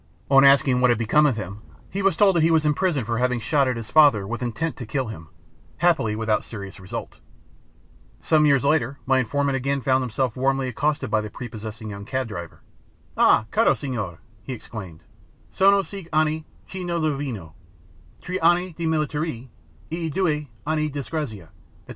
On asking what had become of him, he was told that he was in prison for having shot at his father with intent to kill him—happily without serious result. Some years later my informant again found himself warmly accosted by the prepossessing young cabdriver. "Ah, caro signore," he exclaimed, "sono cinque anni che non lo vedo—tre anni di militare, e due anni di disgrazia," &c.